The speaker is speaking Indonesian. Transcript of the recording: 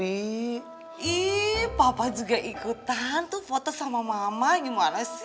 ih papa juga ikutan tuh foto sama mama gimana sih